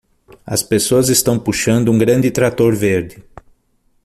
As pessoas estão puxando um grande trator verde.